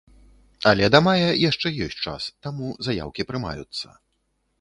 Але да мая яшчэ ёсць час, таму заяўкі прымаюцца.